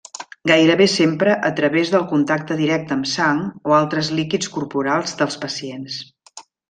Gairebé sempre a través del contacte directe amb sang o altres líquids corporals dels pacients.